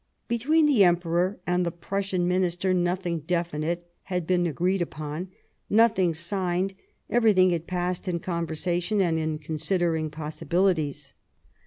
Between the Emperor and the Prussian Minister nothing definite had been agreed on, nothing signed ; everything had passed in conversation and in considering possibilities.